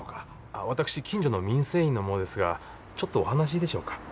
私近所の民生委員の者ですがちょっとお話いいでしょうか？